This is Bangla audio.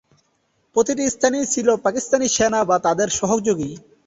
প্রতিটি স্থানেই ছিল পাকিস্তানি সেনা বা তাদের সহযোগী।